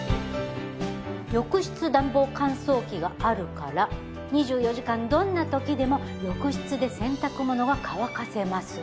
「浴室暖房乾燥機があるから２４時間どんな時でも浴室で洗濯物が乾かせます」